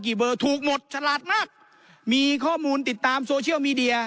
เบอร์ถูกหมดฉลาดมากมีข้อมูลติดตามโซเชียลมีเดีย